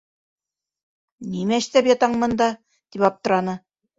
Нимә эштәп ятаң мында?! - тип аптыраны.